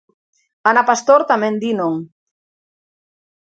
Ana Pastor tamén di non.